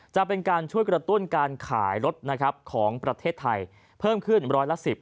จะเป็นการช่วยกระตุ้นการขายรถนะครับของประเทศไทยเพิ่มขึ้นร้อยละ๑๐